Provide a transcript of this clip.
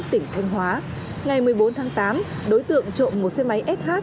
tỉnh thanh hóa ngày một mươi bốn tháng tám đối tượng trộm một xe máy sh